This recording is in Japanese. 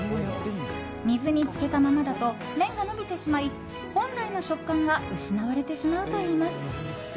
水に浸けたままだと麺が伸びてしまい本来の食感が失われてしまうといいます。